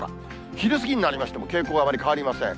昼過ぎになりましても、傾向はあまり変わりません。